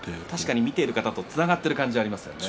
見ている方とつながっている感じがありますね。